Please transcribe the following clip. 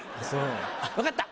分かった！